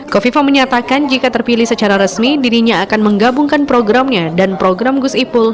kofifah menyatakan jika terpilih secara resmi dirinya akan menggabungkan programnya dan program gusipul